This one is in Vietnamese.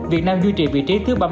việt nam duy trì vị trí thứ ba mươi